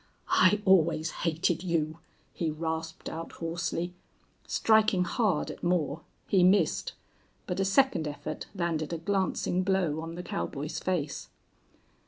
"I always hated you!" he rasped out, hoarsely. Striking hard at Moore, he missed, but a second effort landed a glancing blow on the cowboy's face.